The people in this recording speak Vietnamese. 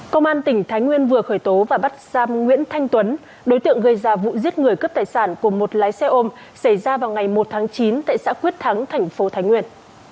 công an tỉnh thái nguyên vừa khởi tố và bắt giam nguyễn thanh tuấn đối tượng gây ra vụ giết người cướp tài sản của một lái xe ôm xảy ra vào ngày một tháng chín tại xã quyết thắng thành phố thái nguyên